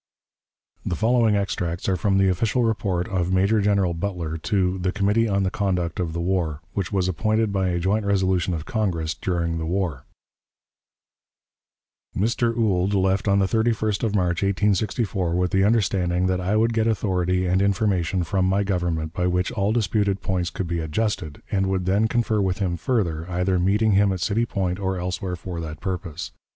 The following extracts are from the official report of Major General Butler to "the Committee on the Conduct of the War," which was appointed by a joint resolution of Congress, during the war: "Mr. Ould left on the 31st of March, 1864, with the understanding that I would get authority and information from my Government, by which all disputed points could be adjusted, and would then confer with him further, either meeting him at City Point or elsewhere for that purpose.